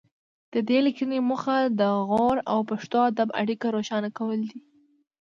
د دې لیکنې موخه د غور او پښتو ادب اړیکه روښانه کول دي